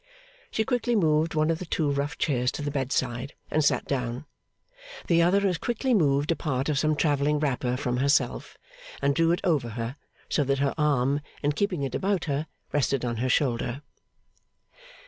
She quickly moved one of the two rough chairs to the bedside, and sat down. The other as quickly moved a part of some travelling wrapper from herself, and drew it over her, so that her arm, in keeping it about her, rested on her shoulder.